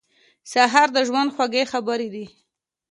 سهار د ژوند خوږې خبرې دي.